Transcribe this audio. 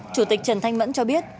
chủ tịch trần thanh mẫn cho biết